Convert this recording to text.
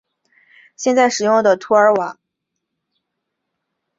现在使用的图瓦语用一种俄语字母的变体书写。